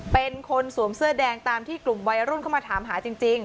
เป็นคนสวมเสื้อแดงตามที่กลุ่มวัยรุ่นเข้ามาถามหาจริง